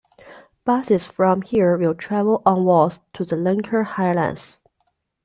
Buses from here will travel onwards to the Lenca highlands.